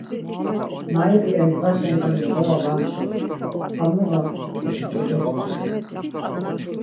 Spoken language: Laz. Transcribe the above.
Na idi em dğaşen doni mjora va mjors, am noğa mtzk̆upis kodoskidu.